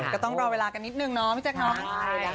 ก็ต้องรอเวลากันนิดหนึ่งพี่เจ๊กน้อง